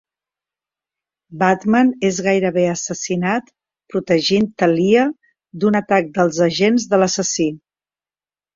Batman és gairebé assassinat protegint Talia d'un atac dels agents de l'assassí.